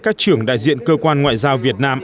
các trưởng đại diện cơ quan ngoại giao việt nam